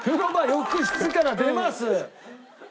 浴室から出ます。